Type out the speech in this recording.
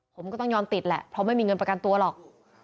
ผมก็ต้องยอมติดแหละเพราะไม่มีเงินประกันตัวหรอก